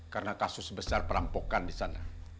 karena kasus sebesar perampokan di sana